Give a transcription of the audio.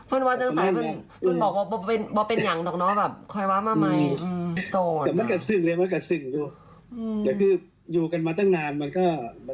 อืมฟื้นว่าจังหวัดสายฟื้นบอกว่าเป็นอย่างหรอกเนอะ